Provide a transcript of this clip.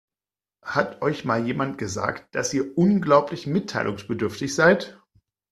Hat euch mal jemand gesagt, dass ihr unglaublich mitteilungsbedürftig seid?